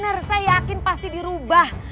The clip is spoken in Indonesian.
dengan cara yang lebih dangerous